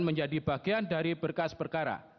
menjadi bagian dari berkas perkara